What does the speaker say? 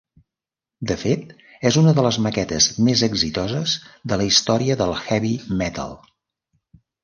De fet, és una de les maquetes més exitoses de la història del heavy metal.